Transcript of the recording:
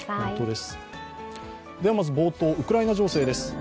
まず、冒頭、ウクライナ情勢です。